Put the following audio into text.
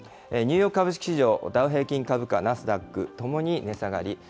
ニューヨーク株式市場、ダウ平均株価、ナスダックともに値下がり。